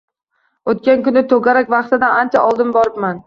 Oʻtgan kuni toʻgarak vaqtidan ancha oldin boribman.